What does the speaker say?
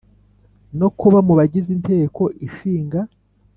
No kuba mu bagize inteko ishinga